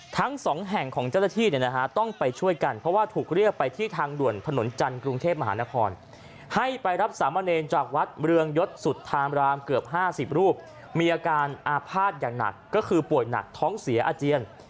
ทั้งสองแห่งของเจ้าหน้าที่เนี่ยนะฮะต้องไปช่วยกันเพราะว่าถูกเรียกไปที่ทางด่วนถนนจันทร์กรุงเทพมหานครให้ไปรับสามเณรจากวัดเมืองยศสุธามรามเกือบ๕๐รูปมีอาการอาภาษณ์อย่างหนักก็คือป่วยหนักท้องเสียอาเจียน